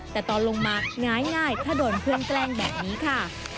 แต่ตอนลงมาง้ายถ้าโดนเพื่อนแกล้งแบบนี้ค่ะ